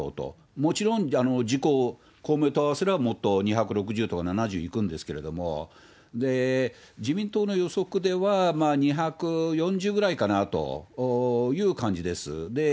もちろん自公、公明党合わせればもっと２６０とか、７０いくんですけれども、自民党の予測では、２４０ぐらいかなという感じです。